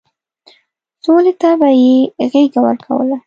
سولې ته به يې غېږه ورکوله.